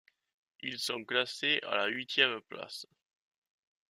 Ils sont classés à la huitième place.